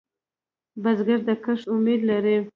بزګر د کښت امید لري